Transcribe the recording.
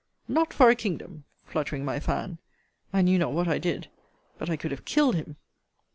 Not for a kingdom, fluttering my fan. I knew not what I did. But I could have killed him.